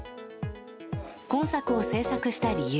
今作を制作した理由